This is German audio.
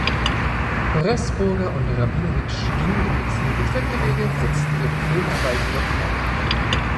Pressburger und Rabinowitsch gingen im Exil getrennte Wege, setzten ihre Filmarbeit jedoch fort.